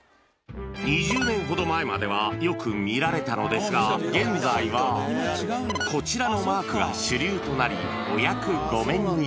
２０年ほど前までは、よく見られたのですが、現在は、こちらのマークが主流となり、お役御免に。